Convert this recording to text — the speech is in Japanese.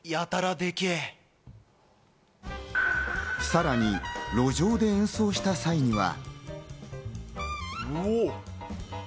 さらに路上で演奏した際には。